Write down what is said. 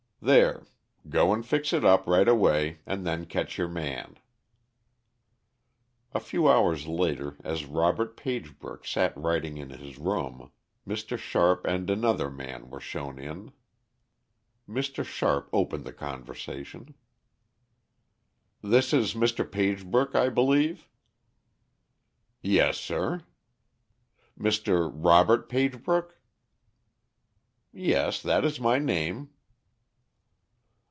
There. Go and fix it up right away, and then catch your man." A few hours later, as Robert Pagebrook sat writing in his room, Mr. Sharp and another man were shown in. Mr. Sharp opened the conversation. "This is Mr. Pagebrook, I believe?" "Yes, sir." "Mr. Robert Pagebrook?" "Yes. That is my name."